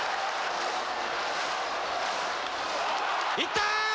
いった！